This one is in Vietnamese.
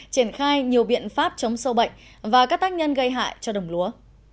triển khai nhiều biện pháp chống sâu bệnh và các tác nhân gây hại cho đồng lúa